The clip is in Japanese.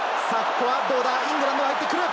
イングランド入ってくる！